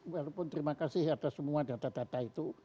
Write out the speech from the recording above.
walaupun terima kasih atas semua data data itu